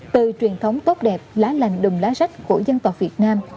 từ truyền thống tốt đẹp lá lành đùm lá rách của dân tộc việt nam